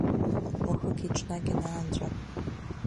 Уахыки-ҽнаки анаанҵәа…